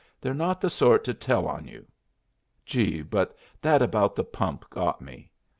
They're not the sort to tell on you.' Gee! but that about the pump got me!